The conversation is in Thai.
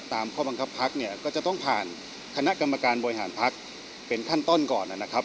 ข้อบังคับพักเนี่ยก็จะต้องผ่านคณะกรรมการบริหารพักเป็นขั้นต้นก่อนนะครับ